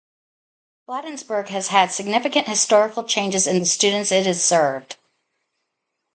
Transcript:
Bladensburg has had significant historical changes in the students it has served.